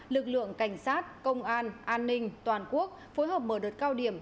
lực lượng cảnh sát công an an ninh toàn quốc phối hợp mở đợt cao điểm